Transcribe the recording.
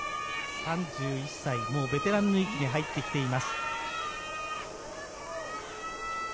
３１歳、もうベテランの域に入ってきています。